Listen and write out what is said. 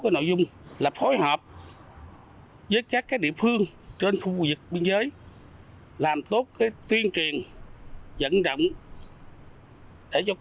nội dung là phối hợp với các địa phương trên khu vực biên giới làm tốt tuyên truyền dẫn động để cho